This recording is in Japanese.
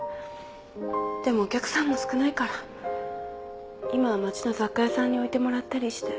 でもお客さんも少ないから今は街の雑貨屋さんに置いてもらったりして。